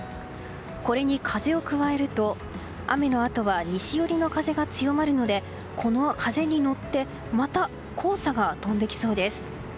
これに風を加えると、雨のあとは西寄りの風が強まるのでこの風に乗ってまた黄砂が飛んできそうです。